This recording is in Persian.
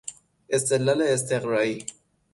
استدلال استقرایی